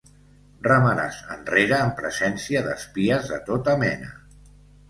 Remaràs enrere en presència d'espies de tota mena.